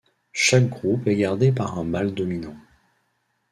Chaque groupe est gardé par un mâle dominant.